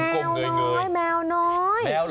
โอ้โห้แมวน้อย